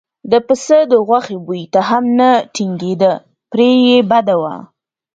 د پسه د غوښې بوی ته هم نه ټینګېده پرې یې بده وه.